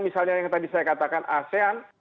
misalnya yang tadi saya katakan asean